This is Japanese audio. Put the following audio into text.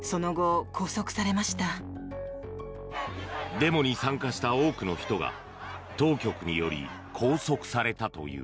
デモに参加した多くの人が当局により拘束されたという。